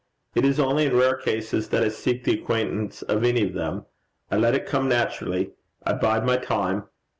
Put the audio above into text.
It is only in rare cases that I seek the acquaintance of any of them: I let it come naturally. I bide my time.